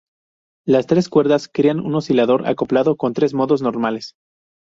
Las tres cuerdas crean un oscilador acoplado con tres modos normales.